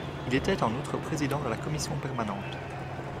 Il était en outre président de la commission permanente.